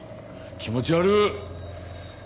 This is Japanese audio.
気持ち悪っ！